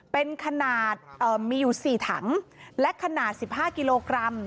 เป็นขนาดเอ่อมีอยู่สี่ถังและขนาดสิบห้ากิโลกรัม